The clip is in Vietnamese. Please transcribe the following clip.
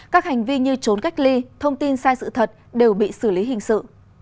các hành vi như trốn cách ly thông tin sai sự thật đều bị xử lý hình sự